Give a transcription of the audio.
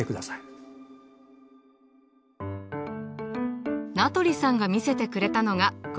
名取さんが見せてくれたのがこちら。